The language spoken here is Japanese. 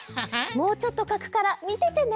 もうちょっとかくからみててね。